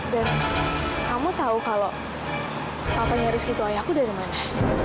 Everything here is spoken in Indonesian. dan kamu tahu kalau papanya rizky itu ayahku dari mana